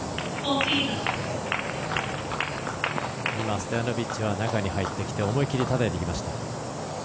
ストヤノビッチは中に入ってきて思い切りたたいてきました。